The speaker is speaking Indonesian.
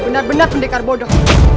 benar benar pendekar bodoh